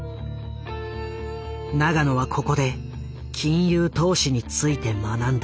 永野はここで金融投資について学んだ。